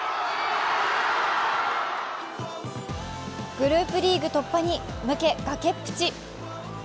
グループリーグ突破に向け崖っぷち。